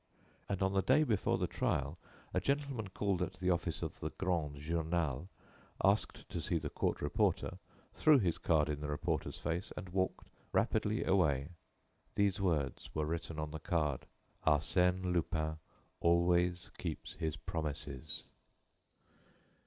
And, on the day before the trial, a gentleman called at the office of the 'Grand Journal,' asked to see the court reporter, threw his card in the reporter's face, and walked rapidly away. These words were written on the card: "Arsène Lupin always keeps his promises."